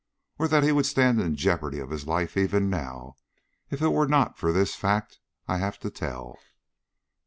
or that he would stand in jeopardy of his life even now, if it were not for this fact I have to tell?"